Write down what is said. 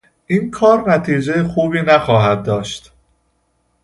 این کار نتیجه خوبی نخواهد داشت